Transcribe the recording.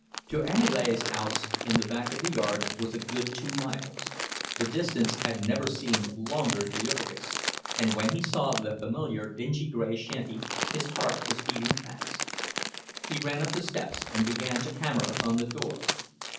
To Aniele's house, in back of the yards, was a good two miles; the distance had never seemed longer to Jurgis, and when he saw the familiar dingy gray shanty his heart was beating fast. He ran up the steps and began to hammer upon the door.